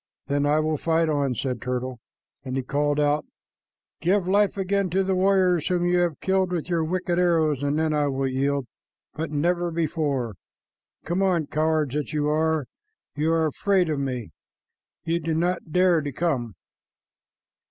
"Then I will fight on," said Turtle, and he called out, "Give life again to the warriors whom you have killed with your wicked arrows, and then I will yield, but never before. Come on, cowards that you are! You are afraid of me. You do not dare to come!"